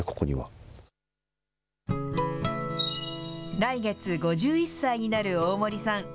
来月５１歳になる大森さん。